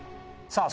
さあ